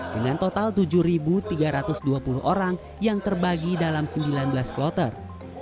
dengan total tujuh tiga ratus dua puluh orang yang terbagi dalam sembilan belas kloter